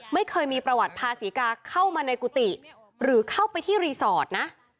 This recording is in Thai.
ไม่เคยมีประวัติพาศรีกาเข้ามาในกุฏิหรือเข้าไปที่รีสอร์ทนะ